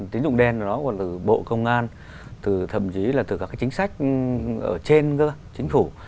tín dụng đen của bộ công an thậm chí là từ các chính sách trên chính phủ